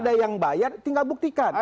ada yang bayar tinggal buktikan